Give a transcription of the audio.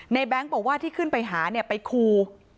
ในแบงค์บอกว่าที่ขึ้นไปหาไปคู